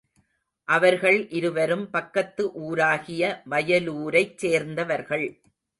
அவர்கள் இருவரும் பக்கத்து ஊராகிய வயலூரைச் சேர்ந்தவர்கள்.